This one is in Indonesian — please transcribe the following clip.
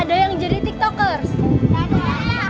ada yang jadi tiktokers